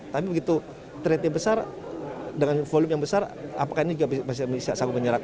tapi begitu trade nya besar dengan volume yang besar apakah ini juga masih bisa sanggup menyerap